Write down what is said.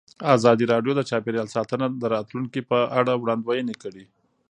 ازادي راډیو د چاپیریال ساتنه د راتلونکې په اړه وړاندوینې کړې.